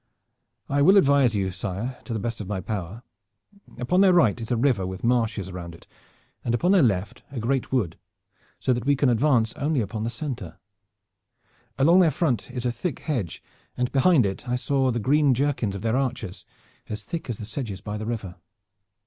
"I will advise you, sire, to the best of my power. Upon their right is a river with marshes around it, and upon their left a great wood, so that we can advance only upon the center. Along their front is a thick hedge, and behind it I saw the green jerkins of their archers, as thick as the sedges by the river.